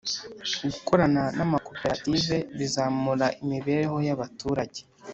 gukorana namakoperative bizamura imibereho yabaturage